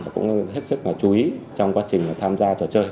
cũng hết sức là chú ý trong quá trình tham gia trò chơi